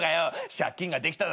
借金ができただ